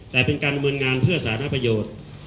แต่เป็นการประเมินงานเพื่อสาธารณประโยชน์